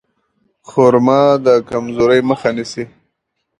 خرما د کمزورۍ مخه نیسي.